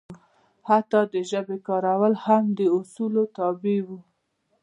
حتی د ژبې کارول هم د اصولو تابع وو.